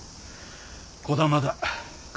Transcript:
児玉だ。